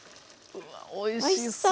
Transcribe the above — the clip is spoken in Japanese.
うわおいしそう。